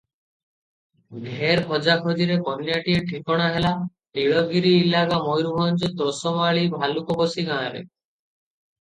ଢେର ଖୋଜାଖୋଜିରେ କନ୍ୟାଟିଏ ଠିକଣା ହେଲା, ନୀଳଗିରି ଇଲାକା ମୟୂରଭଞ୍ଜ ଦୋସମାଳୀ ଭାଲୁକପୋଷି ଗାଁରେ ।